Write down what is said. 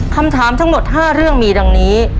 คำถามทั้งหมด๕เรื่องมีดังนี้